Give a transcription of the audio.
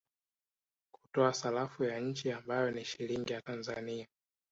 Kutoa sarafu ya nchi ambayo ni Shilingi ya Tanzania